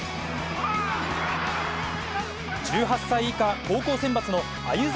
１８歳以下高校選抜の鮎澤